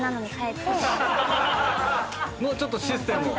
もうちょっとシステムを。